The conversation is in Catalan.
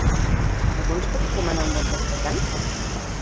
Algú ens pot comanar un bon restaurant?